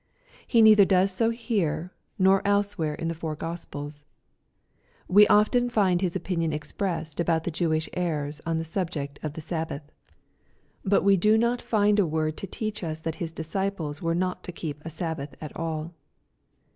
He neither does so here, nor elsewhere in the four Gos pels. We often find His opinion expressed about the Jewish errors on the subject of the Sabbath. But we 6 122 EXPOSITOBY THODGHT8L do not find a word to teach us that His disciples wore not to keep a Sabbath at all.